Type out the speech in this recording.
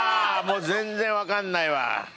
もう全然わかんないわ。